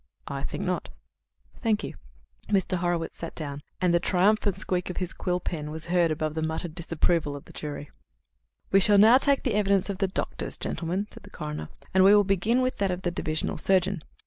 "I think not." "Thank you." Mr. Horwitz sat down, and the triumphant squeak of his quill pen was heard above the muttered disapproval of the jury. "We shall now take the evidence of the doctors, gentlemen," said the coroner, "and we will begin with that of the divisional surgeon.